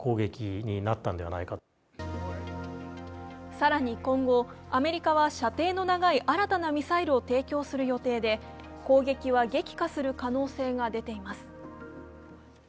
更に今後、アメリカは射程の長い新たなミサイルを提供する予定で攻撃は激化する可能性が出ています。